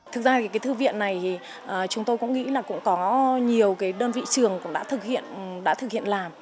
thực ra thì cái thư viện này thì chúng tôi cũng nghĩ là cũng có nhiều cái đơn vị trường cũng đã thực hiện đã thực hiện làm